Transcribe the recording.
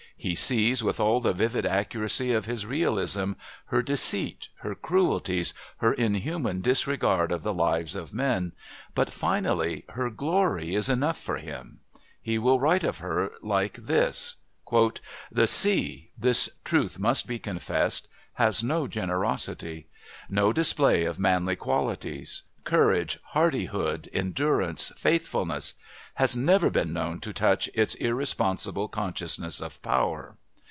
He sees, with all the vivid accuracy of his realism, her deceits, her cruelties, her inhuman disregard of the lives of men, but, finally, her glory is enough for him. He will write of her like this: "The sea this truth must be confessed has no generosity. No display of manly qualities courage, hardihood, endurance, faithfulness has ever been known to touch its irresponsible consciousness of power.